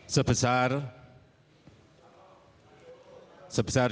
sebesar dua ratus dua puluh ribu hektare